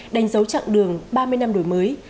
đánh dấu chặng đường ba mươi năm đổi mới